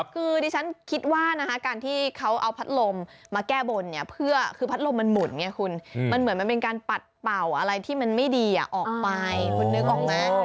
คือดิฉันคิดว่านะคะการที่เขาเอาพัดลมมาแก้บนเนี่ยเพื่อคือพัดลมมันหมุนไงคุณมันเหมือนมันเป็นการปัดเป่าอะไรที่มันไม่ดีออกไปคุณนึกออกไหม